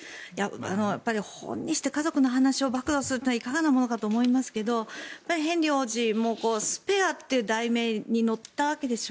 やっぱり本にして家族の話を暴露するのはいかがなものかと思いますがヘンリー王子も「スペア」という題名に載ったわけでしょ。